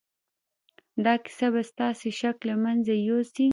دا کیسه به ستاسې شک له منځه یوسي